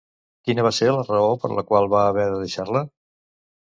Quina va ser la raó per la qual va haver de deixar-la?